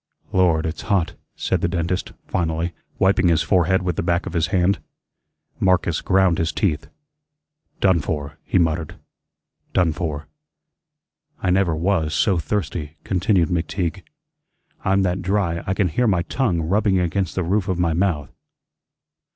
"Lord, it's hot," said the dentist, finally, wiping his forehead with the back of his hand. Marcus ground his teeth. "Done for," he muttered; "done for." "I never WAS so thirsty," continued McTeague. "I'm that dry I can hear my tongue rubbing against the roof of my mouth."